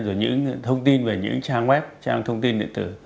rồi những thông tin về những trang web trang thông tin nguyện tử